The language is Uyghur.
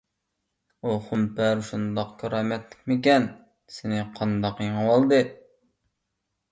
ئۇ خۇمپەر شۇنداق كارامەتلىكمىكەن؟ سېنى قانداق يېڭىۋالدى؟